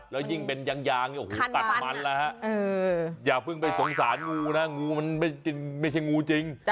แล้วยิ่งเป็นยางโอ้โหกัดมันแล้วฮะอย่าเพิ่งไปสงสารงูนะงูมันไม่ใช่งูจริง